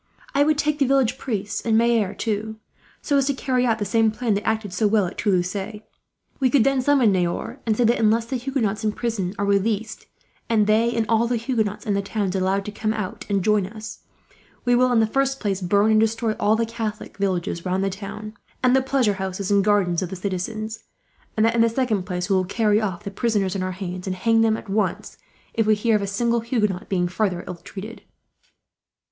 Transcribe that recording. I would take the village priests, and maire too, so as to carry out the same plan that acted so well at Toulouse. We could then summon Niort, and say that, unless the Huguenots in prison are released, and they and all the Huguenots in the town allowed to come out and join us, we will in the first place burn and destroy all the Catholic villages round the town, and the pleasure houses and gardens of the citizens; and that in the second place we will carry off the prisoners in our hands, and hang them at once, if we hear of a single Huguenot being further ill treated."